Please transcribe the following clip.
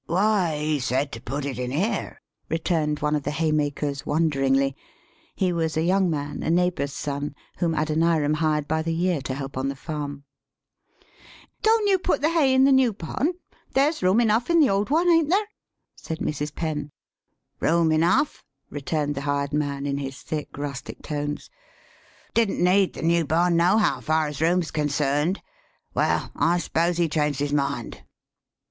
"Why, he said to put it in here," returned one of the haymakers, wonderingly. [He was a young man, a neighbor's son, whom Adoniram hired by the year to help on the farm.] 170 THE SHORT STORY "Don't you put the hay in the new barn; there's room enough in the old one, ain't there ?" [said Mrs. Penn.] " Room enough," [returned the hired man, in his thick, rustic tones]. " Didn't need the new barn, nohow, far as room's concerned. Well, I s'pose he changed his mind."